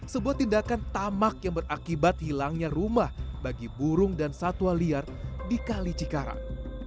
sebuah tindakan tamak yang berakibat hilangnya rumah bagi burung dan satwa liar di kali cikarang